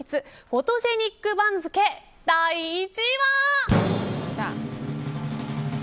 フォトジェ肉番付第１位は。